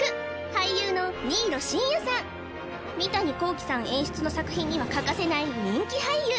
俳優の新納慎也さん三谷幸喜さん演出の作品には欠かせない人気俳優